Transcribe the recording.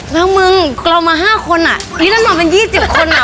แล้วมึงเรามา๕คนอ่ะนี่นั่นหน่อยมัน๒๐คนอ่ะ